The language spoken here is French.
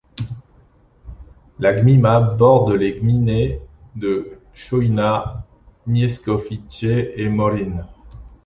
La gmina borde les gminy de Chojna, Mieszkowice et Moryń.